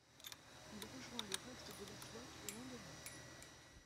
Il rejoint le reste de la flotte le lendemain.